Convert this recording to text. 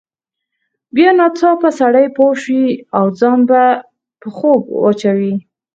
بیا ناڅاپه سړی پوه شي او ځان په خوب واچوي.